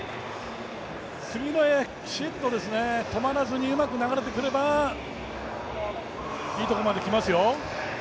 次、きちっと止まらずにうまく流れてくれば、いいところまでいけますよ。